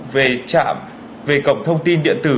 về trạm về cổng thông tin điện tử